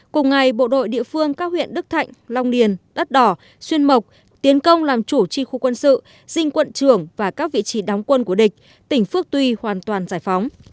cùng ngày bộ đội địa phương các huyện đức thạnh long điền đất đỏ xuyên mộc tiến công làm chủ tri khu quân sự dinh quận trưởng và các vị trí đóng quân của địch tỉnh phước tuy hoàn toàn giải phóng